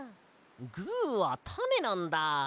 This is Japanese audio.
グーはタネなんだ。